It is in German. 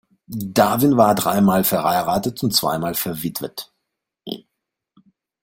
Darwin war dreimal verheiratet und zweimal verwitwet.